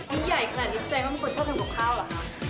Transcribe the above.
นี่ใหญ่ขนาดนี้แสดงว่ามีคนชอบทำกับข้าวเหรอคะ